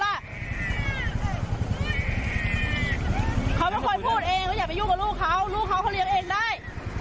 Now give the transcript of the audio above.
เขาไม่ค่อยพูดเองว่าอย่าไปยุ่งกับลูกเขาลูกเขาเขาเลี้ยงเองได้